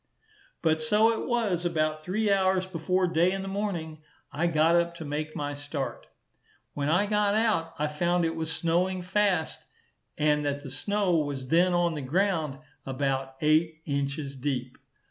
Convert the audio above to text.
But so it was, about three hours before day in the morning I got up to make my start. When I got out, I found it was snowing fast, and that the snow was then on the ground about eight inches deep.